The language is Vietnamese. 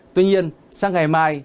tuy nhiên sang ngày mai